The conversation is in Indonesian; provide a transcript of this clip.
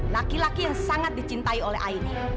laki laki yang sangat dicintai oleh aini